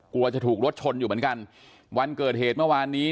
กลัวจะถูกรถชนอยู่เหมือนกันวันเกิดเหตุเมื่อวานนี้